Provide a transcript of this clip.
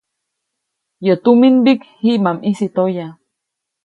Yäʼ tuminmbiʼk jiʼ ma ʼmisi toya.